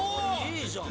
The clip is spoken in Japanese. いいじゃん！